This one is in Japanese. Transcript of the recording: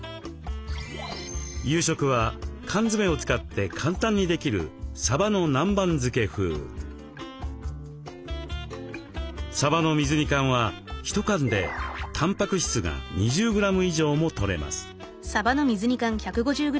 夕食は缶詰を使って簡単にできるさばの水煮缶は１缶でたんぱく質が２０グラム以上もとれます。